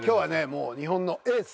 もう日本のエース！